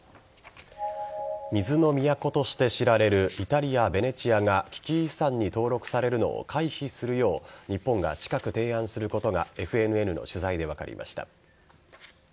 水の都として知られるイタリア・ベネチアが危機遺産に登録されるのを回避するよう日本が近く提案することがＦＮＮの取材で分かりました。